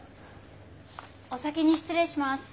お先に失礼します。